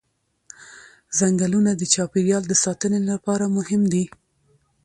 ځنګلونه د چاپېریال د ساتنې لپاره مهم دي